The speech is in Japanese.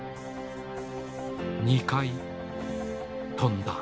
２回飛んだ。